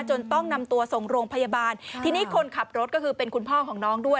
ต้องนำตัวส่งโรงพยาบาลทีนี้คนขับรถก็คือเป็นคุณพ่อของน้องด้วย